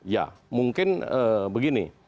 ya mungkin begini